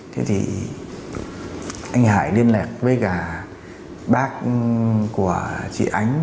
thế thì anh hải liên lạc với cả bác của chị ánh